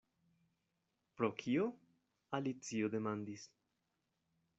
"Pro kio?" Alicio demandis.